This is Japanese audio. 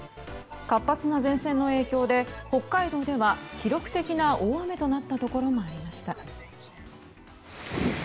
活発な前線の影響で北海道では記録的な大雨となったところもありました。